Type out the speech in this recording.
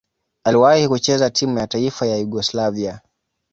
Aliwahi kucheza timu ya taifa ya Yugoslavia.